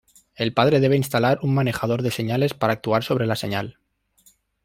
El padre debe instalar un manejador de señales para actuar sobre la señal.